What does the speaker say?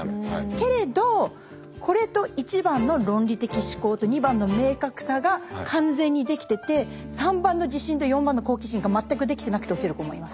けれどこれと１番の論理的思考と２番の明確さが完全にできてて３番の自信と４番の好奇心が全くできてなくて落ちる子もいます。